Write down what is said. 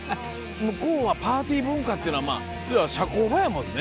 向こうはパーティー文化っていうのは社交場やもんね。